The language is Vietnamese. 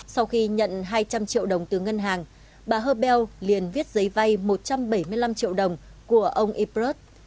sau khi nhận hai trăm linh triệu đồng từ ngân hàng bà hơbell liền viết giấy vay một trăm bảy mươi năm triệu đồng của ông eprus